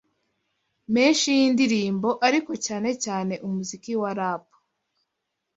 menshi yindirimbo, ariko cyane cyane umuziki wa rapu